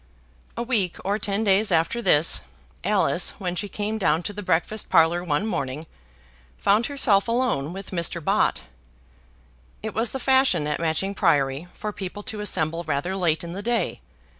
A week or ten days after this, Alice, when she came down to the breakfast parlour one morning, found herself alone with Mr. Bott. It was the fashion at Matching Priory for people to assemble rather late in the day.